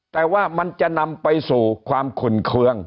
แต่ว่ามันจะนำไปสู่ความขุ่นเครื่อง